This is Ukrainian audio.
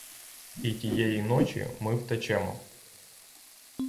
І тієї ночі ми втечемо.